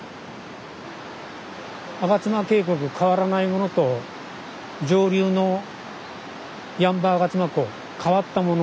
吾妻渓谷変わらないものと上流の八ッ場あがつま湖変わったもの